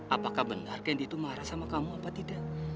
apakah benar kendi itu marah sama kamu apa tidak